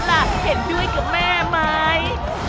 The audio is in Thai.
มาวิจัย